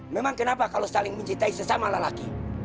memang kenapa kalau saling mencintai sesama lelaki